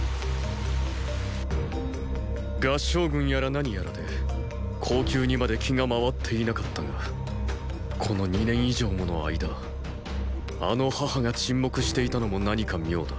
合従軍やら何やらで後宮にまで気が回っていなかったがこの二年以上もの間あの母が沈黙していたのも何か妙だ。